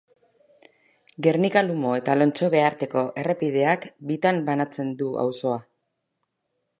Gernika-Lumo eta Elantxobe arteko errepideak bitan banatzen du auzoa.